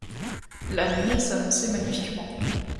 La nuit s’annonçait magnifiquement.